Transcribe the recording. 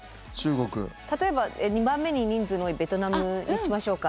例えば２番目に人数の多いベトナムにしましょうか。